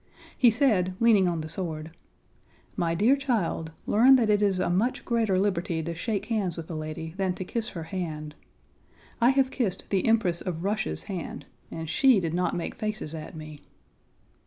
He said, leaning on the sword, "My dear child, learn that it is a much greater liberty to shake hands with a lady than to kiss her hand. I have kissed the Empress of Russia's hand Page 45 and she did not make faces at me."